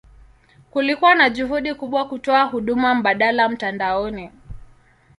Kulikuwa na juhudi kubwa kutoa huduma mbadala mtandaoni.